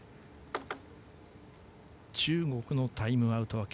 中国のタイムアウト明け